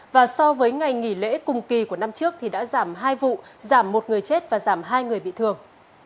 và so với ngày nghỉ lễ cùng kỳ của năm trước thì đã giảm hai vụ giảm một người chết và giảm hai người bị thương